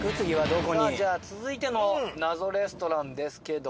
じゃあ続いての謎レストランですけども。